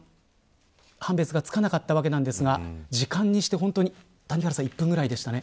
判別がつかなかったわけなんですが時間にして本当に１分ぐらいでしたね。